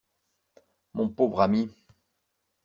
Mon pauvre ami!